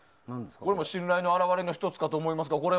信頼の表れの１つかと思いますが。